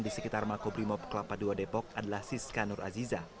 di sekitar makobrimo peklapa dua depok adalah siska nur aziza